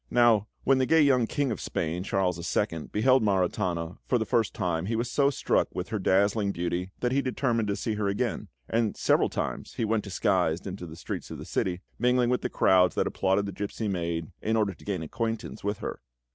Now, when the gay young King of Spain, Charles II., beheld Maritana for the first time he was so struck with her dazzling beauty that he determined to see her again; and several times he went disguised into the streets of the city, mingling with the crowds that applauded the gipsy maid, in order to gain acquaintance with her.